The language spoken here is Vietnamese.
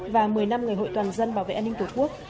và một mươi năm ngày hội toàn dân bảo vệ an ninh tổ quốc